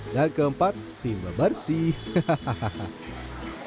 dan keempat tim bebersih